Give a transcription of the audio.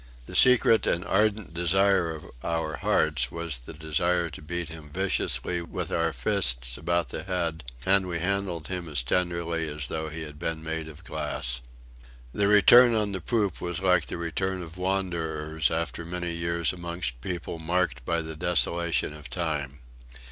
The secret and ardent desire of our hearts was the desire to beat him viciously with our fists about the head; and we handled him as tenderly as though he had been made of glass.... The return on the poop was like the return of wanderers after many years amongst people marked by the desolation of time.